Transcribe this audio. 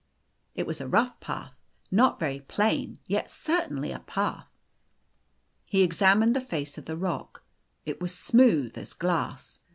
It was a rough path, not very plain, yet certainly a path. He examined the face of the rock. It was smooth as glass.